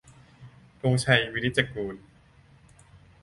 - ธงชัย วินิจจะกูล